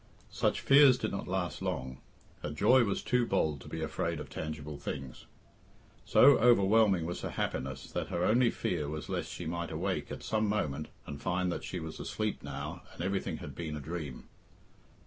Such fears did not last long. Her joy was too bold to be afraid of tangible things. So overwhelming was her happiness that her only fear was lest she might awake at some moment and find that she was asleep now, and everything had been a dream.